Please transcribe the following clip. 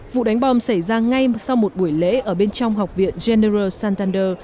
vụ đánh bom xảy ra ngay sau một buổi lễ ở bên trong học viện general santander